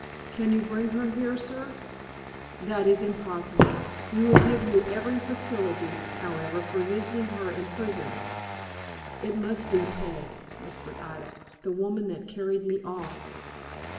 "Can you bring her here, sir?" "That is impossible. We will give you every facility, however, for visiting her in prison." "It must be Peg," whispered Ida; "the woman that carried me off."